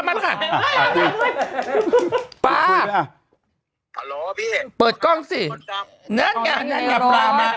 มาแล้วค่ะปลาฮัลโหลพี่เปิดกล้องสิมดดำเนอะเนอะเนอะปลา